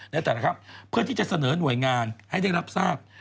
ในแต่ละครับเพื่อที่จะเสนอหน่วยงานให้ได้รับทราบ